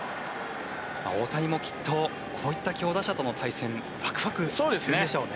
大谷もきっとこういった強打者との対戦ワクワクしているでしょうね。